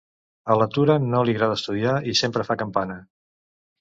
A la Tura no li agrada estudiar i sempre fa campana: